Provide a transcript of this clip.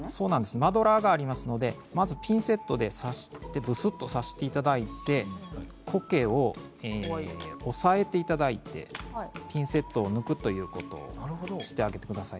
マドラーがありますのでピンセットでぶすっと刺していただいてこけを押さえていただいてピンセットを抜くということをしてあげてください。